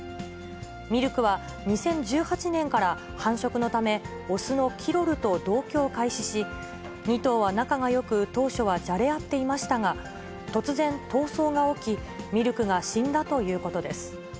ミルクは２０１８年から、繁殖のため、雄のキロルと同居を開始し、２頭は仲がよく、当初はじゃれ合っていましたが、突然、闘争が起き、ミルクが死んだということです。